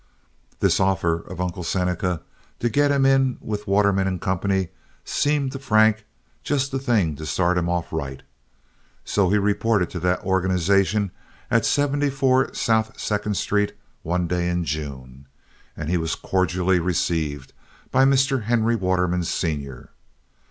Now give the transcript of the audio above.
This offer of Uncle Seneca to get him in with Waterman & Company seemed to Frank just the thing to start him off right. So he reported to that organization at 74 South Second Street one day in June, and was cordially received by Mr. Henry Waterman, Sr.